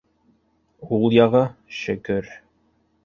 Ул яғы - шөкөр.